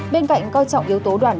bên cạnh coi trọng yếu tố đoàn